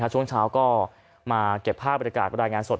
ช่วงเช้าก็มาเก็บภาพบริการรายงานสด